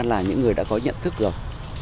là những người đã có nhận thức rồi